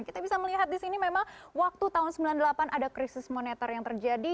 kita bisa melihat di sini memang waktu tahun sembilan puluh delapan ada krisis moneter yang terjadi